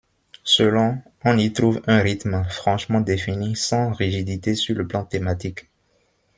Selon on y trouve un rythme franchement défini sans rigidité sur le plan thématique.